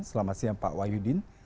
selamat siang pak wahyudin